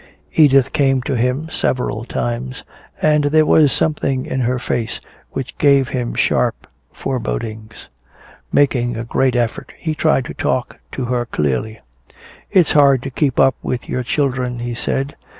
Edith came to him several times, and there was something in her face which gave him sharp forebodings. Making a great effort he tried to talk to her clearly. "It's hard to keep up with your children," he said.